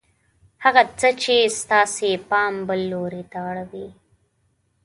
هغه څه چې ستاسې پام بل لور ته اړوي